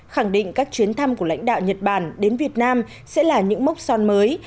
khẳng định các chuyến thăm của lãnh đạo nhật bản đến việt nam sẽ là những mốc son mới